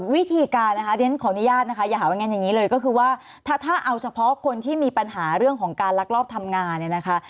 วิธีการนะคะเรียนขออนุญาตนะคะอย่าหาว่างั้นอย่างนี้เลยก็คือว่าถ้าเอาเฉพาะคนที่มีปัญหาเรื่องของการลักลอบทำงานเนี่ยนะคะ